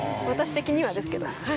私的にはですけど。